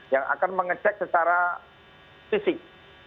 yang akan mengecek secara fisik